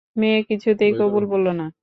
মেয়ে কিছুতেই কবুল বলল না।